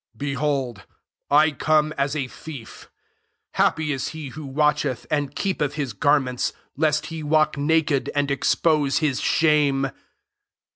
15 (« Behold, I come as a thief. Happy ia he who watch eth, and keepeth his garments, lest he walk naked, and expose his shame.